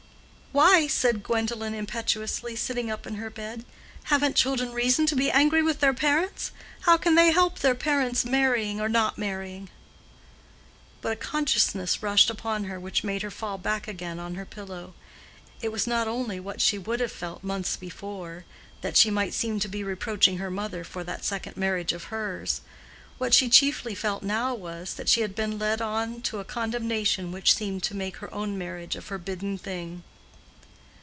"Why?" said Gwendolen, impetuously, sitting up in her bed. "Haven't children reason to be angry with their parents? How can they help their parents marrying or not marrying?" But a consciousness rushed upon her, which made her fall back again on her pillow. It was not only what she would have felt months before—that she might seem to be reproaching her mother for that second marriage of hers; what she chiefly felt now was that she had been led on to a condemnation which seemed to make her own marriage a forbidden thing.